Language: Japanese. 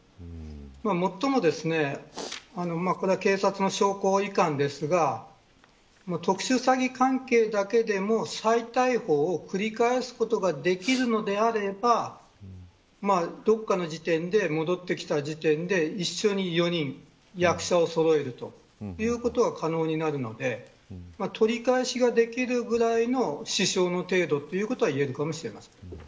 もっとも、これは警察の証拠いかんですが特殊詐欺関係だけでも再逮捕を繰り返すことができるのであればどこかの時点で戻ってきた時点で一緒に４人役者をそろえるということは可能になるので取り返しができるぐらいの支障の程度ということは言えるかもしれません。